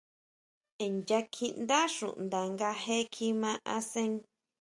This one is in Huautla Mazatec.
Nya kjiʼndá xuʼnda nga je kjima asen.